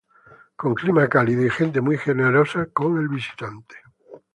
Con clima cálido y gente muy generosa con el visitante.